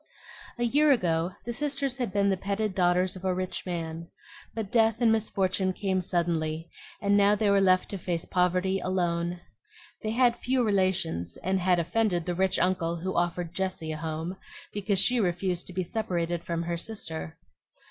A year ago the sisters had been the petted daughters of a rich man; but death and misfortune came suddenly, and now they were left to face poverty alone. They had few relations, and had offended the rich uncle who offered Jessie a home, because she refused to be separated from her sister.